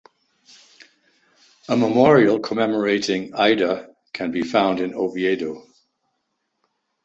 A memorial commemorating Aida can be found in Oviedo.